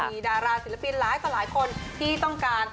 มีดาราศิลปินหลายต่อหลายคนที่ต้องการ